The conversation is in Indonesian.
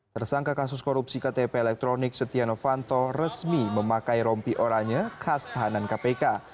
tersangka kasus korupsi ktp elektronik setia novanto resmi memakai rompi oranya khas tahanan kpk